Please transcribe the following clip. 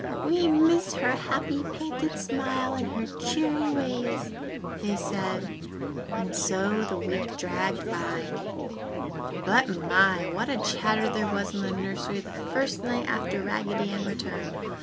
"We miss her happy painted smile and her cheery ways!" they said. And so the week dragged by.... But, my! What a chatter there was in the nursery the first night after Raggedy Ann returned.